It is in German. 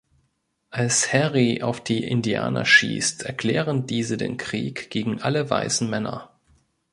Als Harry auf die Indianer schießt, erklären diese den Krieg gegen alle weißen Männer.